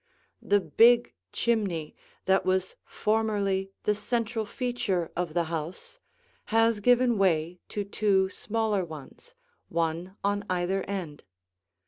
The big chimney, that was formerly the central feature of the house, has given way to two smaller ones, one on either end.